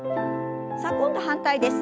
さあ今度反対です。